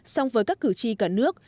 song với các cử tri cả nước